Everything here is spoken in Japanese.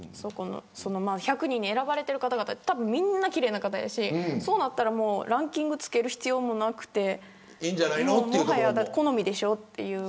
その１００人に選ばれている方々はみんな奇麗な方だしそうなったらランキングをつける必要もなくてもはや好みでしょっていう。